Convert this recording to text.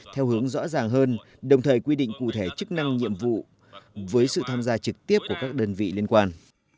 theo hướng rõ ràng hơn đồng thời quy định cụ thể chức năng nhiệm vụ với sự tham gia trực tiếp của các đơn vị liên quan